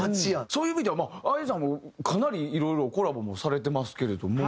そういう意味ではＡＩさんもかなりいろいろコラボもされてますけれども。